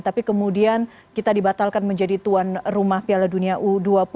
tapi kemudian kita dibatalkan menjadi tuan rumah piala dunia u dua puluh